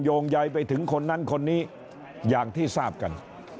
โยงใยไปถึงคนนั้นคนนี้อย่างที่ทราบกัน